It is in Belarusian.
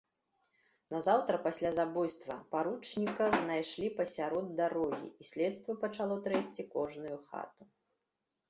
Назаўтра пасля забойства паручніка знайшлі пасярод дарогі, і следства пачало трэсці кожную хату.